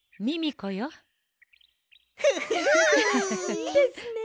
いいですね！